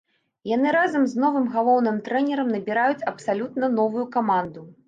Яны разам з новым галоўным трэнерам набіраюць абсалютна новую каманду.